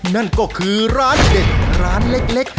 นั่นก็คือร้านเด็ดร้านเล็ก